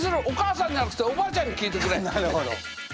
お母さんじゃなくておばあちゃんに聞いてくれ！